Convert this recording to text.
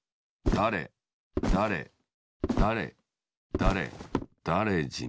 だれだれだれだれだれじん